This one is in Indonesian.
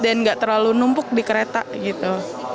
dan gak terlalu numpuk di kereta gitu